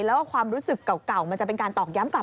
แล้วก็ความรู้สึกเก่ามันจะเป็นการตอกย้ำกล